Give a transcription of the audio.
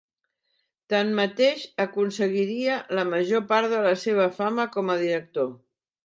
Tanmateix, aconseguiria la major part de la seva fama com a director.